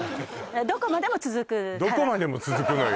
どこまでも続くのよ